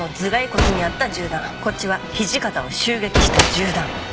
こっちは土方を襲撃した銃弾。